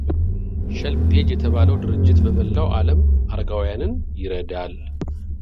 ኸልፕኤጅ የተባለው ድርጅት በመላው ዓለም አረጋውያንን ይረዳል።